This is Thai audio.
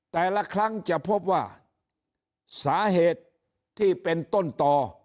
แต่ละครั้งจะพบว่าสาเหตุที่เป็นต้นต่อ